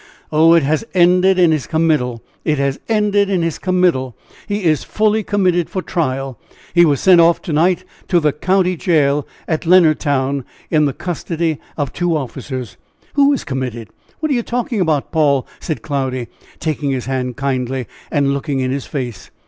"Oh, it has ended in his committal! it has ended in his committal! he is fully committed for trial! he was sent off to night to the county jail at Leonardtown, in the custody of two officers!" "Who is committed? What are you talking about, Paul?" said Cloudy, taking his hand kindly and looking in his face.